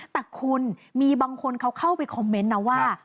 แต่คุณมีบางคนเขาเข้าไปคอมเมนต์นะว่า